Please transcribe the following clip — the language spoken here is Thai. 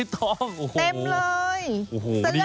เต็มเลย